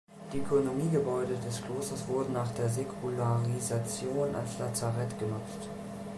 Die Ökonomiegebäude des Klosters wurden nach der Säkularisation als Lazarett genutzt.